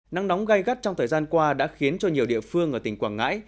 nắng nóng gai gắt trong thời gian qua đã khiến cho nhiều địa phương ở tỉnh quảng ngãi